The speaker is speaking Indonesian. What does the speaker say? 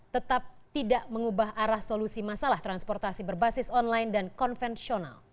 tetap tidak mengubah arah solusi masalah transportasi berbasis online dan konvensional